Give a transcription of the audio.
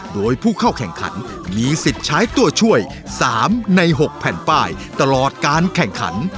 โดยผู้เข้าแข่งขันมีสิทธิ์ใช้ตัวช่วย๓ใน๖แผ่นป้ายตลอดการแข่งขัน